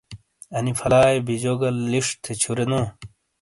اَنی فَلائیے بِیجو گہ لِش تھے چھُرے نو۔